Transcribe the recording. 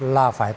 là phải từ